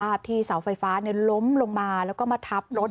ที่เสาไฟฟ้าล้มลงมาแล้วก็มาทับรถ